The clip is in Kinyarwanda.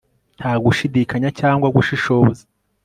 nta gushidikanya cyangwa gushishoza